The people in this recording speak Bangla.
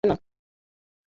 এবার ভয় লাগাতে পারবে না।